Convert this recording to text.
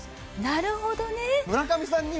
なるほどね